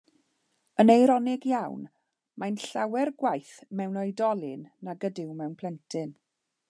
Yn eironig iawn, mae'n llawer gwaeth mewn oedolyn nag ydyw mewn plentyn.